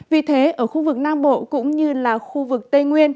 vì thế ở khu vực nam bộ cũng như là khu vực tây nguyên